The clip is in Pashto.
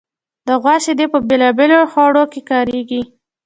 د غوا شیدې په بېلابېلو خوړو کې کارېږي.